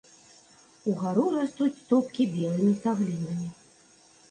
Угару растуць стопкі белымі цаглінамі.